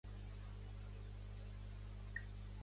La forastera, ben decidida; el local, una mica endarrerit.